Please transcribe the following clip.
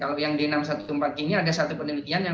kalau yang d enam ratus empat belas g ini ada satu penelitian